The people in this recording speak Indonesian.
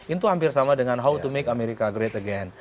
itu hampir sama dengan how to make america great again